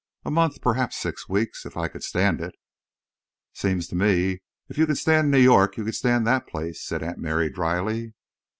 "A month, perhaps six weeks, if I could stand it." "Seems to me if you can stand New York you could stand that place," said Aunt Mary, dryly.